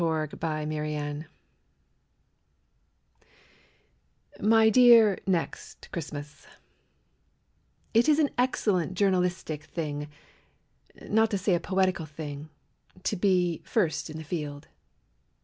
TO NEXT CHRISTMAS My dear Next Christmas, It is an excellent journalistic thing, Not to say a poetical thing, To be first in the field.